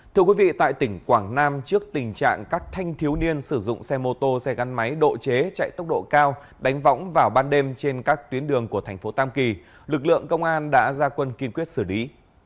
thưa quý vị tại tỉnh quảng nam trước tình trạng các thanh thiếu niên sử dụng xe mô tô xe gắn máy độ chế chạy tốc độ cao đánh võng vào ban đêm trên các tuyến đường của thành phố tam kỳ lực lượng công an đã ra quân kiên quyết xử lý